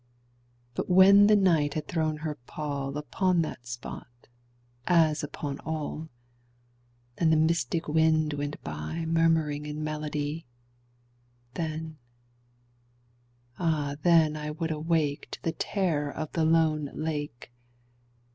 But when the Night had thrown her pall Upon that spot, as upon all, And the mystic wind went by Murmuring in melody— Then—ah then I would awake To the terror of the lone lake.